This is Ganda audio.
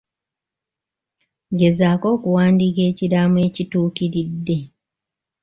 Gezaako okuwandiika ekiraamo ekituukiridde.